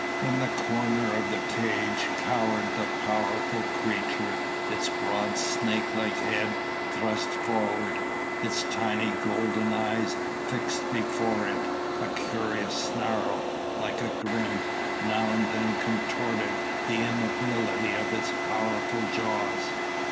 In a corner of the cage cowered the powerful creature, its broad, snake like head thrust forward, its tiny golden eyes fixed before it, a curious snarl like a grin now and then contorted the immobility of its powerful jaws.